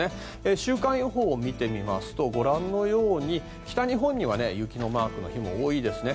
週間予報を見てみますとご覧のように北日本には雪のマークの日も多いですね。